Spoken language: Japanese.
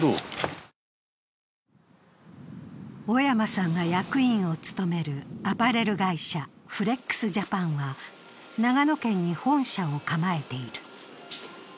小山さんが役員を務めるアパレル会社フレックスジャパンは長野県に本社を構えている。